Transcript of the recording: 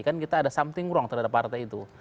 kan kita ada something wrong terhadap partai itu